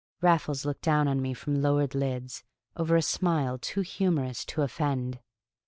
Raffles looked down on me from lowered lids, over a smile too humorous to offend.